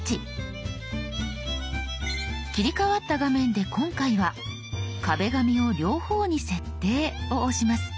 切り替わった画面で今回は「壁紙を両方に設定」を押します。